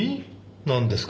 なんですか？